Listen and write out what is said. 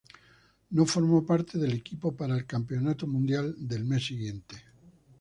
No formó parte del equipo para el campeonato mundial del mes siguiente.